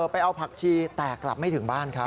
ไปเอาผักชีแตกกลับไม่ถึงบ้านเขา